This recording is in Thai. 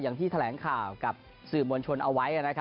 อย่างทรลัยงค่าวกับสื่อมวลชนเชิญได้